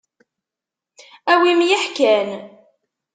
A wi i m-yeḥkan.